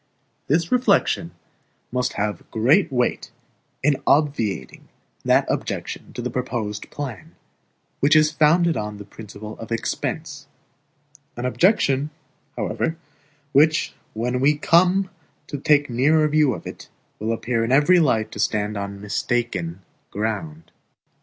This reflection must have great weight in obviating that objection to the proposed plan, which is founded on the principle of expense; an objection, however, which, when we come to take a nearer view of it, will appear in every light to stand on mistaken ground.